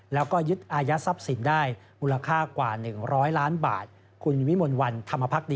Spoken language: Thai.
แล้วก็ยึดอายะทรัพย์สินได้มูลค่ากว่า๑๐๐ล้านบาท